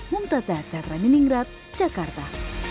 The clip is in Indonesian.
mumtazah chakra niningrat jakarta